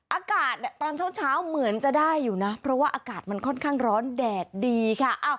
อากาศตอนเช้าเหมือนจะได้อยู่นะเพราะว่าอากาศมันค่อนข้างร้อนแดดดีค่ะ